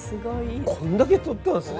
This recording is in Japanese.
こんだけ採ったんですね。